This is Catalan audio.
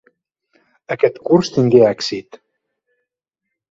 Aquest curs tingué èxit.